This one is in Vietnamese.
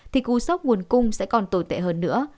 thì cú sốc nguồn cung sẽ còn tồi tệ hơn nữa